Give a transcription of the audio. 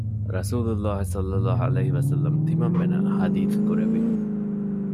ރަސޫލު ﷲ ﷺ ތިމަންމެންނަށް ޙަދީޘް ކުރެއްވި